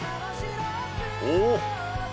おお！